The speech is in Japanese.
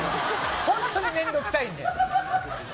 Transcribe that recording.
本当に面倒くさいんだよ。